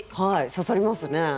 刺さりますね。